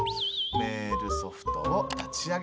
メールソフトを立ち上げ。